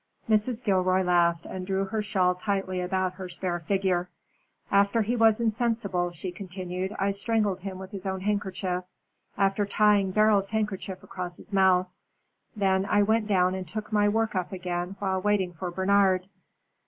Mrs. Gilroy laughed and drew her shawl tightly about her spare figure. "After he was insensible," she continued, "I strangled him with his own handkerchief, after tying Beryl's handkerchief across his mouth. I then went down and took my work up again while waiting for Bernard."